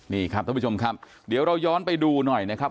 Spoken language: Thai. นี่ครับท่านผู้ชมครับเดี๋ยวเราย้อนไปดูหน่อยนะครับ